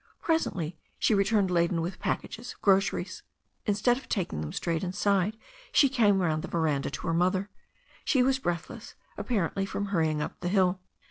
Presently she returned laden with packages of gro ceries. Instead of taking them straight inside she came round the veranda to her mother. She was breathless, ap parently from hurrying up the hill.